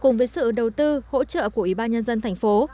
cùng với sự đầu tư hỗ trợ của ủy ban nhân dân thành phố